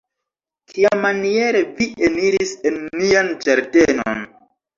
Kiamaniere vi eniris en nian ĝardenon.